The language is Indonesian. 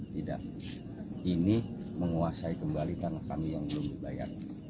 tidak ini menguasai kembali tanah kami yang belum dibayar